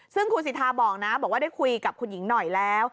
ซึ่งคุณสิทธาบอกนะบอกว่าได้คุยกับคุณหญิงหน่อยแล้ว